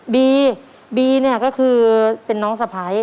บีบีเนี่ยก็คือเป็นน้องสะพ้าย